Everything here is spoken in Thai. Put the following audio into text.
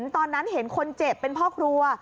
ตอนนั้นเห็นคนเจ็บเป็นพ่อครัว